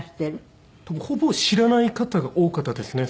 ほぼ知らない方が多かったですね